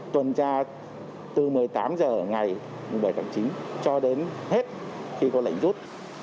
tuần tra từ một mươi tám h ngày bảy tháng chín cho đến hết khi có lệnh rút